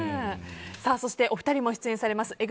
そして、お二人も出演されます